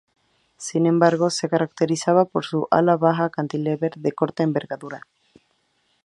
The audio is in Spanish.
Sin embargo, se caracterizaba por su ala baja cantilever de corta envergadura.